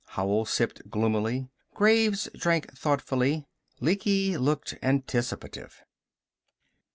Howell sipped gloomily. Graves drank thoughtfully. Lecky looked anticipative.